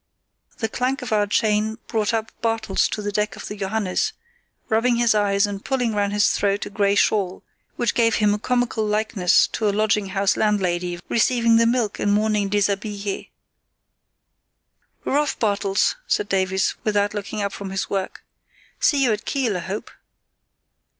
The clank of our chain brought up Bartels to the deck of the Johannes, rubbing his eyes and pulling round his throat a grey shawl, which gave him a comical likeness to a lodging house landlady receiving the milk in morning déshabillé. "We're off, Bartels," said Davies, without looking up from his work. "See you at Kiel, I hope."